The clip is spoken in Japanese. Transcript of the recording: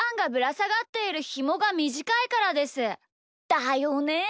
だよね！